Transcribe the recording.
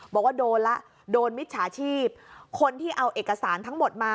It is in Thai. บอกว่าโดนแล้วโดนมิจฉาชีพคนที่เอาเอกสารทั้งหมดมา